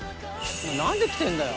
「何で来てんだよ？」